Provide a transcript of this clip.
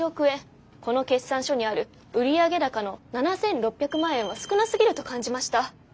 この決算書にある売上高の７，６００万円は少なすぎると感じました。